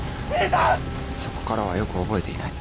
そこからはよく覚えていない。